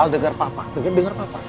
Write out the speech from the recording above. al denger papa denger papa